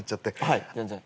はい全然。